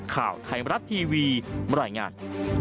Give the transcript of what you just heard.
ข่าวไทยมรับทีวีบริงาร